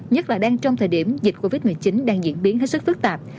nhất là đang trong thời điểm dịch covid một mươi chín đang diễn biến hết sức phức tạp